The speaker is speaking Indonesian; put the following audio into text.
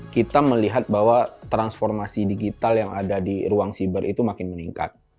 kita melihat bahwa transformasi digital yang ada di ruang siber itu makin meningkat